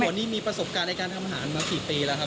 วันนี้มีประสบการณ์ในการทำอาหารมากี่ปีแล้วครับ